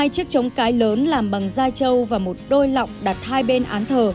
hai chiếc trống cái lớn làm bằng dai châu và một đôi lọng đặt hai bên án thờ